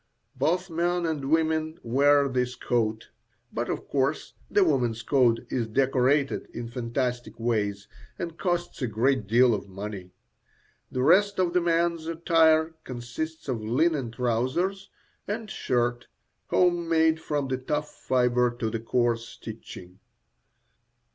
Both men and women wear this coat; but, of course, the woman's coat is decorated in fantastic ways and costs a great deal of money. The rest of the man's attire consists of linen trousers and shirt, home made from the tough fibre to the coarse stitching.